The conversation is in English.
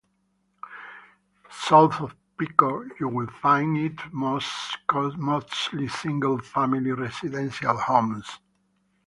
South of Pickford, you will find it is mostly single family residential homes.